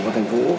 vào thành phố